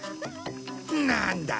なんだ。